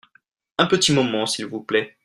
Un petit moment s'il vous plait.